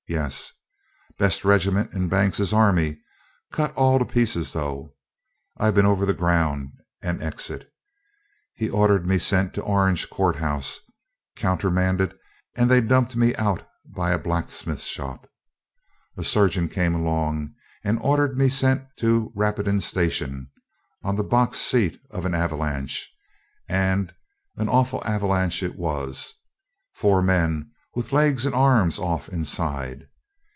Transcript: "Yes." "Best regiment in Banks' army; cut all to pieces, though: I've been over the ground," and exit. He ordered me sent to Orange Court House; countermanded, and they dumped me out by a blacksmith's shop. A surgeon came along and ordered me sent to Rapidan Station, on the box seat of an "avalanche"; and an awful "avalanche" it was, four men with legs and arms off inside.